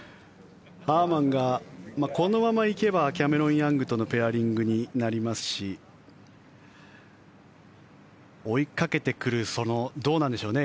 ハーマンがこのままいけばキャメロン・ヤングとのペアリングになりますし追いかけてくるどうなんでしょうね